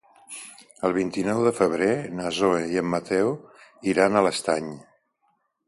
El vint-i-nou de febrer na Zoè i en Mateu iran a l'Estany.